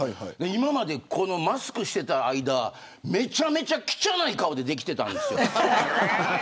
今までマスクをしていた間めちゃめちゃきちゃない顔でできてたんです。